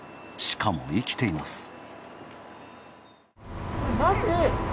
しかも生きています。